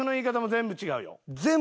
全部違う？